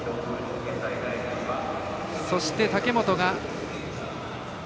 そして、武本。